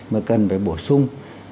mà cần phải bổ sung